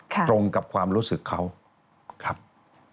ค่ะค่ะตรงกับความรู้สึกเขาครับ